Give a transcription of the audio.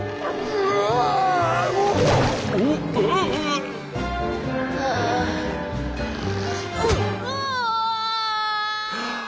うわあぁ。